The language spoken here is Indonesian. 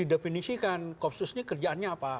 menunisikan koopsus ini kerjaannya apa